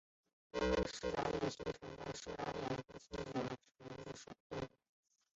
安徽嗜眼吸虫为嗜眼科嗜眼属的动物。